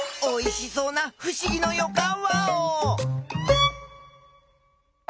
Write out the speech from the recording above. おいしそうなふしぎのよかんワオ！